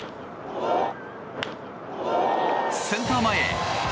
センター前へ！